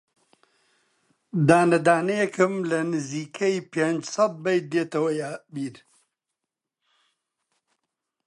دانە دانەیێکم لە نزیکەی پێنجسەد بەیت دێتەوە بیر